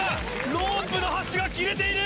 ロープの端が切れている‼